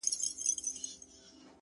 كه په رنگ باندي زه هر څومره تورېږم،